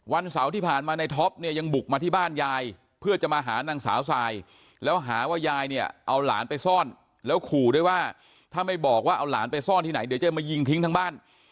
เสาร์ที่ผ่านมาในท็อปเนี่ยยังบุกมาที่บ้านยายเพื่อจะมาหานางสาวทรายแล้วหาว่ายายเนี่ยเอาหลานไปซ่อนแล้วขู่ด้วยว่าถ้าไม่บอกว่าเอาหลานไปซ่อนที่ไหนเดี๋ยวจะมายิงทิ้งทั้งบ้าน